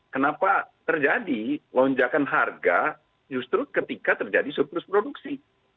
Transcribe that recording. kenapa terjadi lonjakan harga justru ketika terjadi surplus produksi